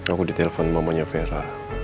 aku ditelepon mamanya vera